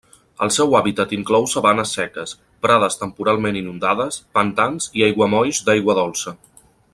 El seu hàbitat inclou sabanes seques, prades temporalment inundades, pantans i aiguamolls d'aigua dolça.